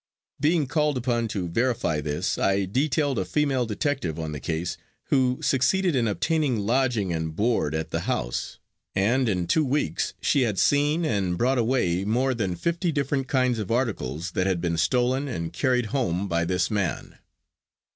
Being called upon to verify this, I detailed a female detective on the case, who succeeded in obtaining lodging and board at the house, and in two weeks she had seen and brought away more than fifty different kinds of articles that had been stolen and carried home by this man.